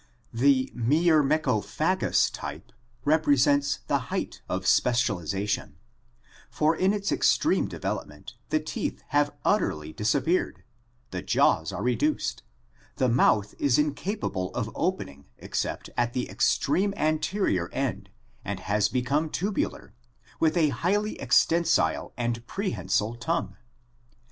The myrmecophagous type represents the height of specialization, for in its extreme development the teeth have utterly disappeared, the jaws are reduced, the mouth is incapable of opening except at the extreme anterior end and has become tubular, with a highly extensile and prehensile tongue.